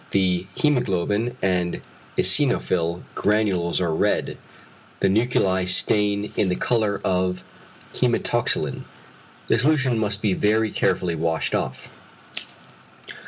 The hæmoglobin and eosinophil granules are red, the nuclei stain in the colour of hæmatoxylin. The solution must be very carefully washed off.